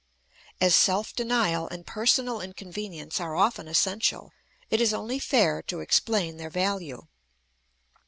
As self denial and personal inconvenience are often essential, it is only fair to explain their value.